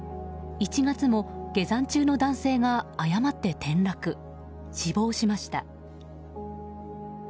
１月も、下山中の男性が誤って転落・死亡しました。